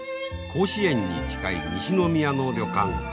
甲子園に近い西宮の旅館